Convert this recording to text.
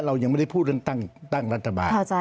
เรายังไม่ได้พูดเรื่องตั้งรัฐบาล